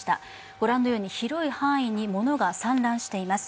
ご覧のように広い範囲にものが散乱しています。